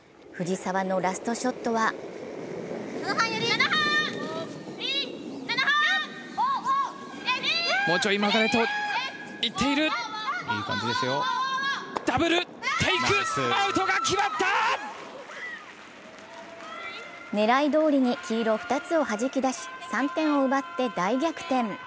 藤澤のラストショットは狙いどおりに黄色２つをはじき出し、３点を奪って大逆転。